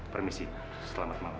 permisi selamat malam